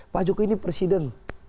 pak jokowi ini presiden